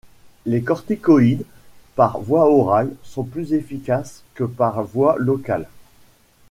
Les corticoïdes par voie orale sont plus efficaces que par voie locale.